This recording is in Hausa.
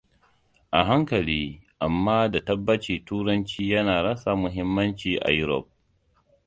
A hankali amma da tabbaci turanci ya na rasa mahimmanci a Europe.